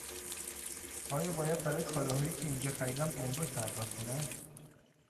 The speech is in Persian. آیا باید برای کالاهایی که اینجا خریدم گمرگ پرداخت کنم؟